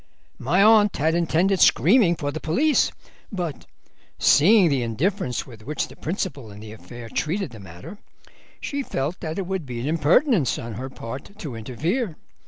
My aunt had intended screaming for the police, but seeing the indifference with which the principal in the affair treated the matter she felt that it would be an impertinence on her part to interfere.